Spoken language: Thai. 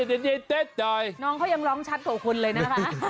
น้องเขายังร้องชัดกับคุณเลยนะคะ